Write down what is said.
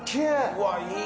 うわいい。